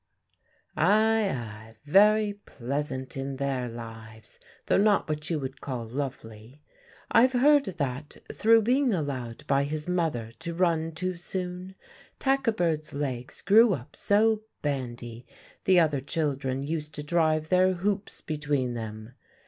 Ay, ay very pleasant in their lives! though not what you would call lovely. I've heard that, through being allowed by his mother to run too soon, Tackabird's legs grew up so bandy, the other children used to drive their hoops between them.